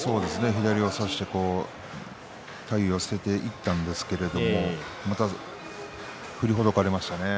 左を差して体をつけていったんですが振りほどかれましたね。